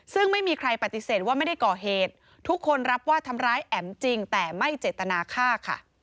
ซึ่งไม่มีใครปฏิเสธว่าไม่ได้ก่อเหตุทุกคนรับว่าทำร้ายแอ๋มจริงแต่ไม่เจตนาฆ่าค่ะ